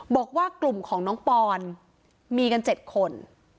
บอกว่ากลุ่มของน้องปอนมีกัน๗คน